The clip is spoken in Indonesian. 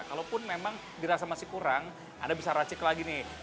kalaupun memang dirasa masih kurang anda bisa racik lagi nih